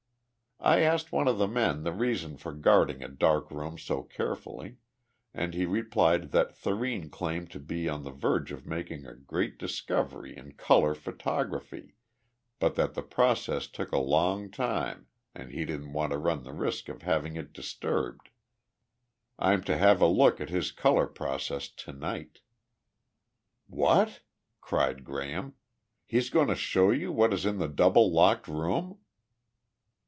I asked one of the men the reason for guarding a dark room so carefully, and he replied that Thurene claimed to be on the verge of making a great discovery in color photography, but that the process took a long time and he didn't want to run the risk of having it disturbed. I'm to have a look at his color process to night." "What?" cried Graham. "He's going to show you what is in the double locked room?"